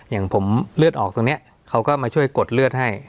อย่างผมเลือดออกตรงนี้เขาก็มาช่วยกดเลือดให้